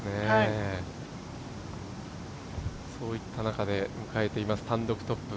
そういった中で迎えています、単独トップ。